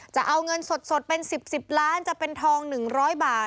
จะเอาเงินสดเป็น๑๐๑๐ล้านจะเป็นทอง๑๐๐บาท